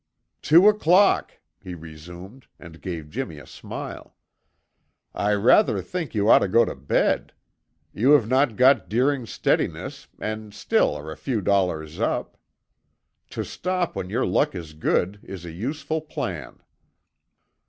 "Two o'clock!" he resumed and gave Jimmy a smile. "I rather think you ought to go to bed. You have not got Deering's steadiness and still are a few dollars up. To stop when your luck is good is a useful plan."